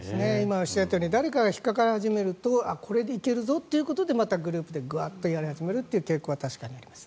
おっしゃるとおり誰かが引っかかり始めるとこれでいけるぞということでまたグループでガッとやり始めるという傾向は確かにあります。